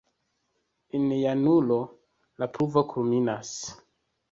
En januaro la pluvo kulminas.